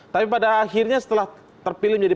tapi pada akhirnya setelah terpilih menjadi